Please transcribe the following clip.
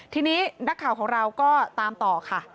ทีนี้นักข่าวของเราก็ตามต่อค่ะ